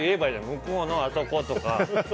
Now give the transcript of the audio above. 向こうのあそことか。